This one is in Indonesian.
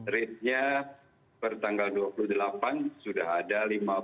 rate nya per tanggal dua puluh delapan sudah ada lima puluh satu enam ratus